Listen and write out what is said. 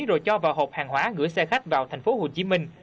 rồi cho vào hộp hàng hóa gửi xe khách vào thành phố hồ chí minh